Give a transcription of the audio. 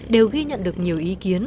đều ghi nhận được nhiều ý kiến